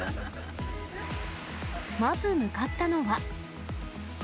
まず向かったのは。